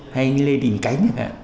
hay anh lê đình cánh